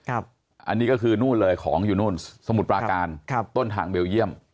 อันนี้ก็คือนู่นเลยของอยู่นู่นสมุทรปราการต้นทางเบลเยี่ยม